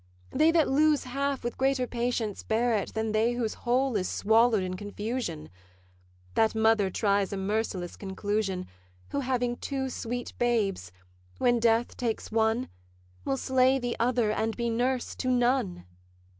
They that lose half with greater patience bear it Than they whose whole is swallow'd in confusion. That mother tries a merciless conclusion Who, having two sweet babes, when death takes one, Will slay the other and be nurse to none.